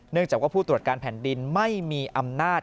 เนื่องจากผู้ตรวจการแผ่นดินไม่มีอำนาจ